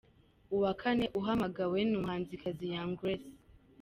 Uwa Kane uhamagawe ni umuhanzikazi Young Grace.